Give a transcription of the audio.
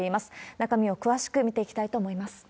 中身を詳しく見ていきたいと思います。